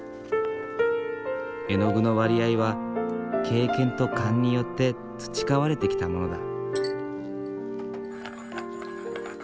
絵の具の割合は経験と勘によって培われてきたものだ。